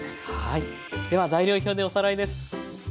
はいでは材料表でおさらいです。